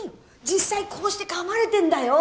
実際こうしてかまれてんだよ！